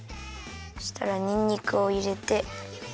そしたらにんにくをいれて。